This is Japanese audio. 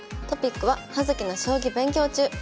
トピックは「葉月の将棋勉強中！」。